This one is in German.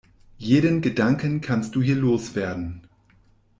Jeden Gedanken kannst du hier loswerden.